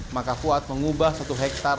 maka fuad mengubah satu hektare